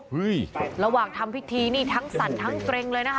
ระหว่างทำพิธีนี่ทั้งสั่นทั้งเกร็งเลยนะคะ